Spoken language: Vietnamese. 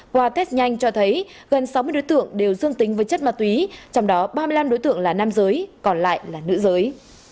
qua test nhanh cho thấy gần sáu mươi đối tượng đều dương tính với chất ma túy trong đó ba mươi năm đối tượng là nam giới còn lại là nữ giới